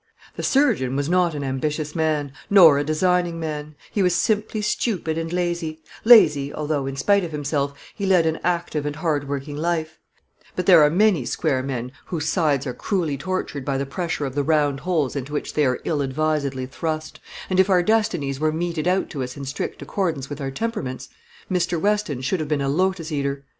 The surgeon was not an ambitious man, nor a designing man; he was simply stupid and lazy lazy although, in spite of himself, he led an active and hard working life; but there are many square men whose sides are cruelly tortured by the pressure of the round holes into which they are ill advisedly thrust, and if our destinies were meted out to us in strict accordance with our temperaments, Mr. Weston should have been a lotus eater.